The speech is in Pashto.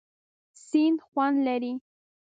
سیند خوند لري.